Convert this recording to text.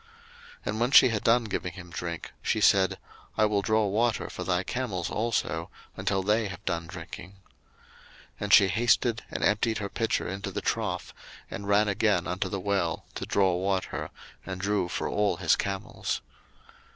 01:024:019 And when she had done giving him drink, she said, I will draw water for thy camels also, until they have done drinking. 01:024:020 And she hasted, and emptied her pitcher into the trough, and ran again unto the well to draw water, and drew for all his camels.